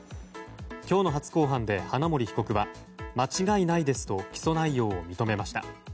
今日の初公判で花森被告は間違いないですと起訴内容を認めました。